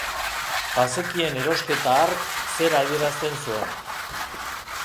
Bazekien erosketa hark zer adierazten zuen.